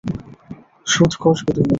শোধ কষবে তুমি।